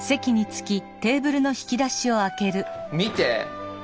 見て。